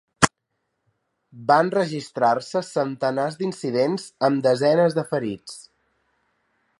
Van registrar-se centenars d’incidents amb desenes de ferits.